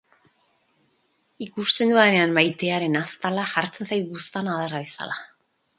Ikusten dudanean maitearen aztala, jartzen zait buztana adarra bezala.